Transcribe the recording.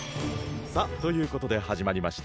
さあということではじまりました！